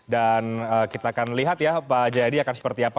dan kita akan lihat ya pak jayadi akan seperti apa